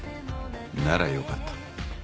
ならよかった。